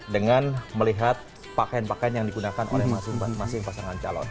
dengan melihat pakaian pakaian yang digunakan oleh masing masing pasangan calon